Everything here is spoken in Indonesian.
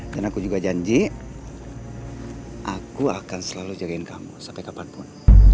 dan aku juga janji aku akan selalu jagain kamu sampai kapanpun